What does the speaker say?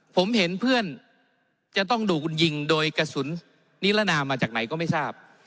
ผมเห็นเพื่อนจะต้องถูกยิงโดยกระสุนนิรนามมาจากไหนก็ไม่ทราบ